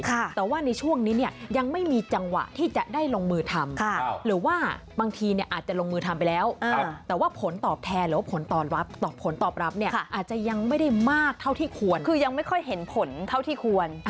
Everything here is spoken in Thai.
แต่ว่าในช่วงนี้เนี่ยยังไม่มีจังหวะที่จะได้ลงมือทำหรือว่าบางทีเนี่ยอาจจะลงมือทำไปแล้วแต่ว่าผลตอบแทนหรือว่าผลตอบรับตอบผลตอบรับเนี่ยอาจจะยังไม่ได้มากเท่าที่ควรคือยังไม่ค่อยเห็นผลเท่าที่ควร